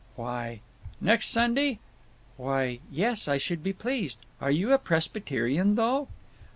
"Why—" "Next Sunday?" "Why, yes, I should be pleased. Are you a Presbyterian, though?"